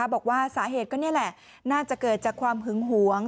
บอกว่าสาเหตุก็นี่แหละน่าจะเกิดจากความหึงหวง